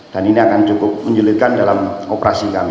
dan ini akan cukup menjelitkan dalam operasi kami